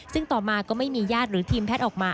ซึ่งต่อมาก็ไม่มีญาติหรือทีมแพทย์ออกมา